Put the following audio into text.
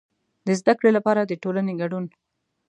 د زده کړې لپاره د ټولنې کډون.